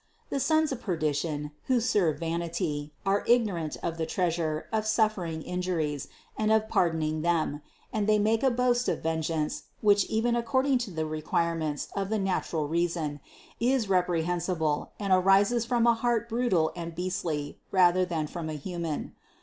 The sons of perdition, who serve vanity, are ignorant of the treasure of suffering injuries and of par doning them, and they make a boast of vengeance, which even according to the requirements of the natural reason is reprehensible and arises from a heart brutal and beast ly, rather than from a human.